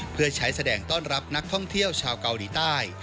เพื่อใช้แสดงต้อนรับนักท่องเที่ยวชาวเกาหลีใต้